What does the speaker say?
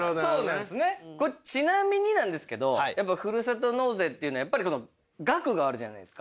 これちなみになんですけどふるさと納税っていうのはやっぱりこの額があるじゃないですか。